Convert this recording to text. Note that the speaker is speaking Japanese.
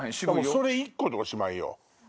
それ１個でおしまいよ